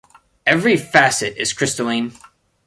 Every facet is crystalline.